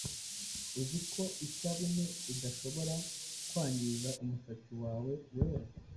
Uzi ko isabune idashobora kwangiza umusatsi wawe wera. '